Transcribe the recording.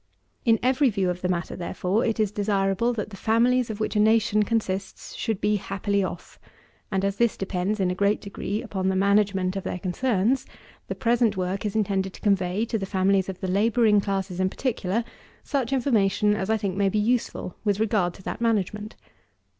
4. In every view of the matter, therefore, it is desirable; that the families of which a nation consists should be happily off: and as this depends, in a great degree, upon the management of their concerns, the present work is intended to convey, to the families of the labouring classes in particular, such information as I think may be useful with regard to that management.